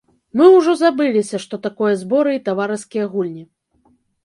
Мы ўжо забыліся, што такое зборы і таварыскія гульні.